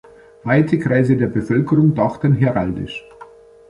Weite Kreise der Bevölkerung dachten „heraldisch“.